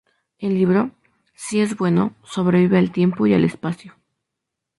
El libro, si es bueno, sobrevive al tiempo y al espacio.